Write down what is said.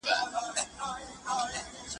څنګه حضوري تدريس د ټولګي فعالیتونه موثره ساتي؟